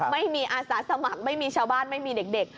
ไม่มีอาสาสมัครไม่มีชาวบ้านไม่มีเด็ก